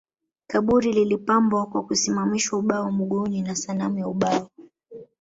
Kaburi lilipambwa kwa kusimamisha ubao mguuni na sanamu ya ubao